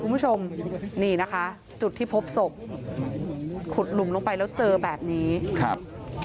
คุณผู้ชมนี่นะคะจุดที่พบศพขุดหลุมลงไปแล้วเจอแบบนี้ครับ